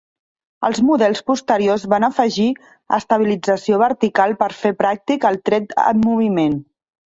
Els models posteriors van afegir estabilització vertical per fer pràctic el tret en moviment.